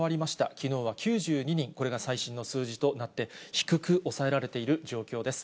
きのうは９２人、これが最新の数字となって、低く抑えられている状況です。